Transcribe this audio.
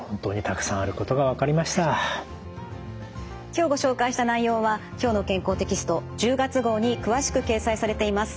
今日ご紹介した内容は「きょうの健康」テキスト１０月号に詳しく掲載されています。